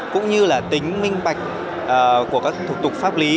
cũng như là tính minh bạch của các thủ tục pháp lý